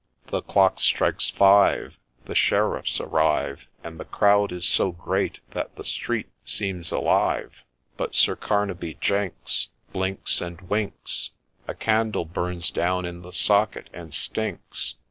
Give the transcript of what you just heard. The clock strikes Five ! The Sheriffs arrive, And the crowd is so great that the street seems alive; But Sir Carnaby Jenks Blinks, and winks, A candle burns down in the socket, and stinks.